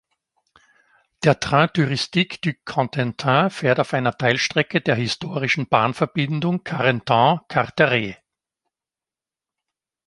Der Train Touristique du Cotentin fährt auf einer Teilstrecke der historischen Bahnverbindung Carentan-Carteret.